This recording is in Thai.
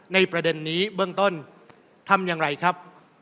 ประเด็นนี้เบื้องต้นทำอย่างไรครับ